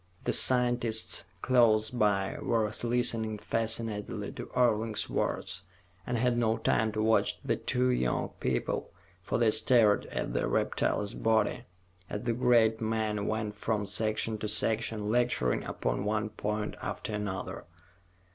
The scientists close by were listening fascinatedly to Orling's words, and had no time to watch the two young people, for they stared at the reptile's body as the great man went from section to section, lecturing upon one point after another.